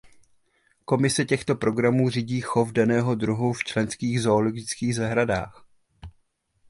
Komise těchto programů řídí chov daného druhu v členských zoologických zahradách.